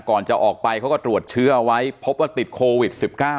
ก่อนจะออกไปเขาก็ตรวจเชื้อเอาไว้พบว่าติดโควิด๑๙